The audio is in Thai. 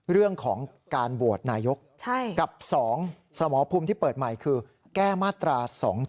เรื่องของการโหวตนายกกับ๒สมภูมิที่เปิดใหม่คือแก้มาตรา๒๗